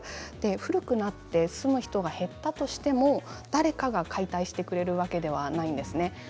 古くなって住む人が減ったとしても、誰かが解体してくれるわけではないんですね。